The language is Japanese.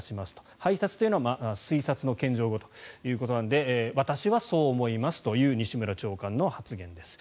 拝察というのは推察の謙譲語ということなので私はそう思いますという西村長官の発言です。